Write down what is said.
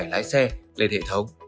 lên hệ thống